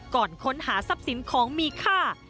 ก่อนค้นหาทรัพย์สินของมีค่า